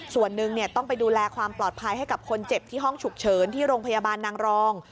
ส่วนหนึ่งต้องไปดูแลความปลอดภัยให้กับคนเจ็บที่ห้องฉุกเฉินที่โรงพยาบาลนางรอง